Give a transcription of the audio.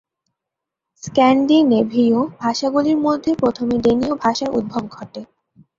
স্ক্যান্ডিনেভীয় ভাষাগুলির মধ্যে প্রথমে ডেনীয় ভাষার উদ্ভব ঘটে।